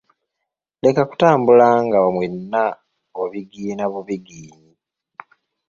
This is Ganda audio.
Leka kutambula nga wenna obigiina bubugiinyi.